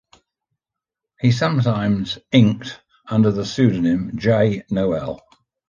He sometimes inked under the pseudonym Jay Noel.